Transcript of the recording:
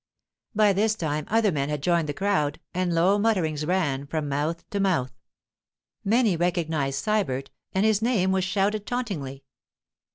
By this time other men had joined the crowd, and low mutterings ran from mouth to mouth. Many recognized Sybert, and his name was shouted tauntingly.